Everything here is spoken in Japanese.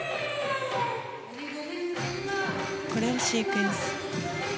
コレオシークエンス。